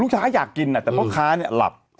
ลูกค้าอยากกินน่ะแต่เพราะค้านี่หลับ